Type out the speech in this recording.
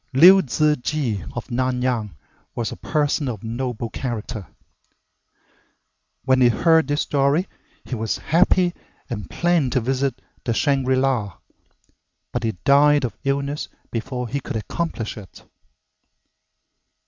Liu Ziji of Nanyang was a person of noble character. When he heard this story he was happy and planned to visit the Shangri la, but he died of illness before he could accomplish it.